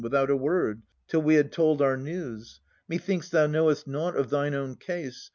Without a word, till we had told our news. — Methinks thou knowest nought of thine own case.